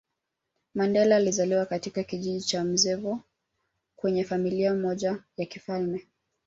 Mandela alizaliwa katika kijiji cha Mvezo kwenye Familia moja ya kifalme